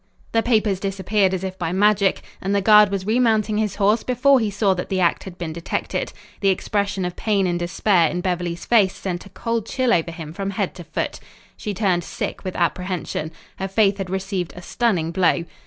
The papers disappeared as if by magic, and the guard was remounting his horse before he saw that the act had been detected. The expression of pain and despair in Beverly's face sent a cold chill over him from head to foot. She turned sick with apprehension. Her faith had received a stunning blow.